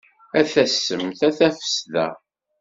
A tassemt a tafesda.